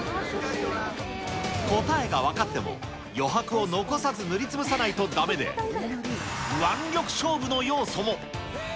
答えが分かっても、余白を残さず塗り潰さないとだめで、腕力勝負の要素も。